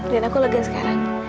dan aku legan sekarang